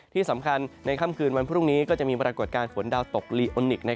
ที่สำคัญในค่ำคืนวันพรุ่งนี้ก็จะมีปรากฏการณ์ฝนดาวตกลีโอนิกส